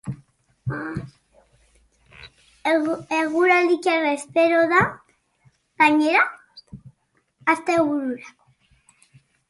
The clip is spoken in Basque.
Eguraldi txarra espero da, gainera, astebururako.